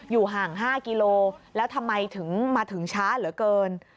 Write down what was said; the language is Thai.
อยู่ห่าง๕กิโลกรัมแล้วทำไมมาถึงช้าเหลือเกิน